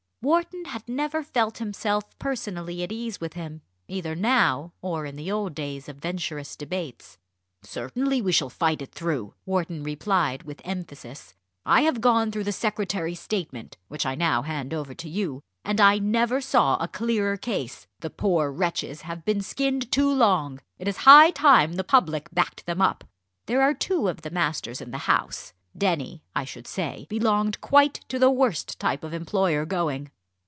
Wharton had never felt himself personally at ease with him, either now, or in the old days of Venturist debates. "Certainly, we shall fight it through," Wharton replied, with emphasis "I have gone through the secretary's statement, which I now hand over to you, and I never saw a clearer case. The poor wretches have been skinned too long; it is high time the public backed them up. There are two of the masters in the House. Denny, I should say, belonged quite to the worst type of employer going."